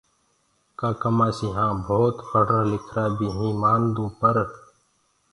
ڪآ ڪمآسيٚ هآن ڀوت پڙهرآ لکرآ بيٚ هينٚ مآندآئو پر